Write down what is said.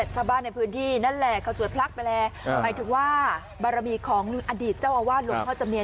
เกี่ยวกับความชับซิดใช่ไหมหลวงพ่อจำเนียน